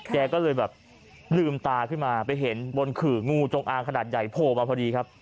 แกก็เลยแบบลืมตาขึ้นมาไปเห็นบนขื่องูจงอางขนาดใหญ่โผล่มาพอดีครับ